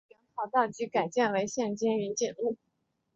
原跑道即改建为现今云锦路。